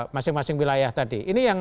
masing masing wilayah tadi